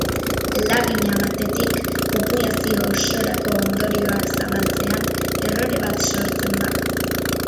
Lagina batetik populazio osorako ondorioak zabaltzean, errore bat sortzen da.